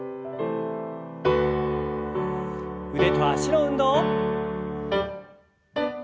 腕と脚の運動。